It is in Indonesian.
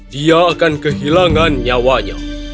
dia akan kehilangan nyawanya